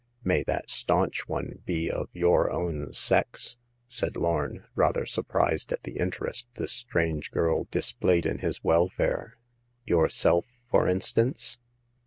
" May that staunch one be of your own sex," said Lorn, rather surprised at the interest this strange girl displayed in his welfare — "yourself, for instance